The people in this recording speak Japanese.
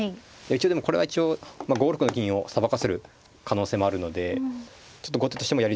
一応でもこれは一応５六の銀をさばかせる可能性もあるのでちょっと後手としてもやりづらかったのかもしれないです。